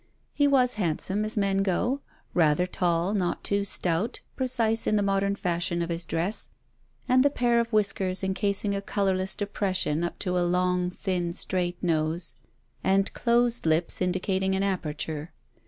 He was handsome, as men go; rather tall, not too stout, precise in the modern fashion of his dress, and the pair of whiskers encasing a colourless depression up to a long, thin, straight nose, and closed lips indicating an aperture.